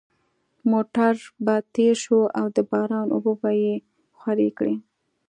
موټر به تېر شو او د باران اوبه به یې خورې کړې